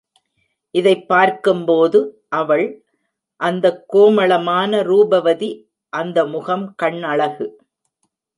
இதைப் பார்க்கும்போது, அவள், அந்தக் கோமளமான ரூபவதி அந்த முகம், கண்ணழகு.